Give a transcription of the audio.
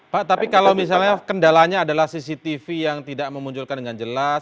pak tapi kalau misalnya kendalanya adalah cctv yang tidak memunculkan dengan jelas